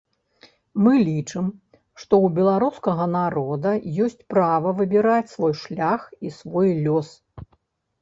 Мы лічым, што ў беларускага народа ёсць права выбіраць свой шлях і свой лёс.